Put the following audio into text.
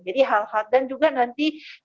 jadi hal hal dan juga nanti